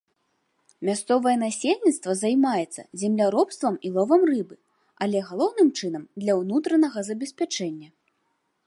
Мясцовае насельніцтва займаецца земляробствам і ловам рыбы, але, галоўным чынам, для ўнутранага забеспячэння.